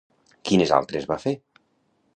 Quines altres va fer?